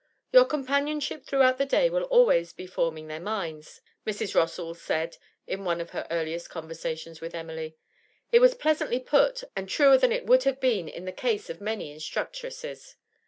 'Your companionship throughout the day will always be forming their minds,' Mrs. Rossall said in one of her earliest conversations with Emily; it was pleasantly put, and truer than it would have been in the ease of many instructresses.